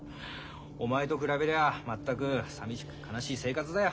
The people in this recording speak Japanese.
お前と比べりゃ全くさみしく悲しい生活だよ。